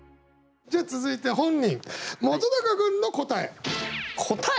じゃあ続いて本人答え！？